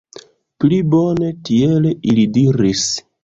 Pli bone tiel, ili diris.